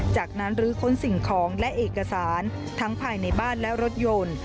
จากนั้นลื้อค้นสิ่งของและเอกสารทั้งภายในบ้านและรถยนต์